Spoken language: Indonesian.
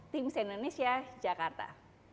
tims indonesia jakarta